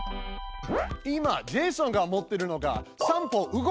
今ジェイソンがもってるのが「３歩動かす」命令です！